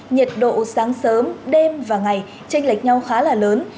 nhiệt độ sáng sớm đêm và ngày tranh lệch nhau khá là lớn